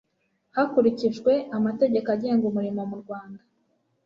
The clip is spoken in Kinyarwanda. hakurikijwe amategeko agenga umurimo mu rwanda